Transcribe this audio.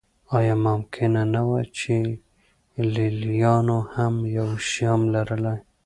آیا ممکنه نه وه چې لېلیانو هم یو شیام لرلی